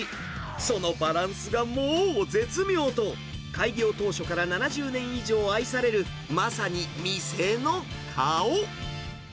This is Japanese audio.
そのバランスがもう絶妙と、開業当初から、７０年以上愛される、まさに店の顔。